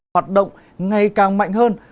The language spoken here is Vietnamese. hoạt động ngày càng mạnh hơn